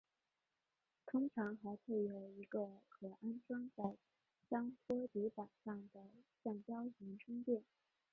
通常还配有一个可安装在枪托底板上的橡胶缓冲垫。